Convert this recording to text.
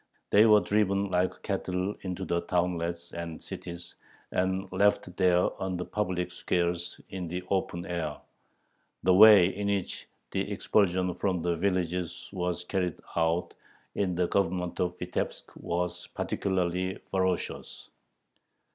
They were driven like cattle into the townlets and cities, and left there on the public squares in the open air. The way in which the expulsion from the villages was carried out in the Government of Vitebsk was particularly ferocious.